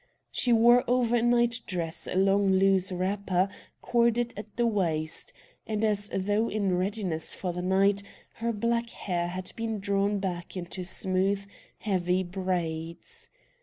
She wore over a night dress a long loose wrapper corded at the waist, and, as though in readiness for the night, her black hair had been drawn back into smooth, heavy braids.